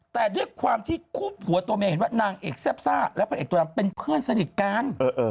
แต่ด้วยความที่คู่ผัวตัวเมย์เห็นว่านางเอกแซ่บซ่าและพระเอกตัวดำเป็นเพื่อนสนิทกัน